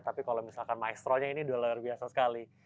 tapi kalau misalkan maestronya ini loh luar biasa sekali